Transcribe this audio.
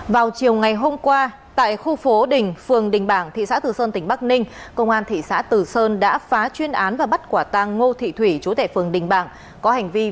vào chiều ngày hôm qua tại khu phố đình phường đình bảng thị xã từ sơn tỉnh bắc ninh công an thị xã từ sơn đã phá chuyên án và bắt quả tang ngô thị thủy chủ tệ phường đình bảng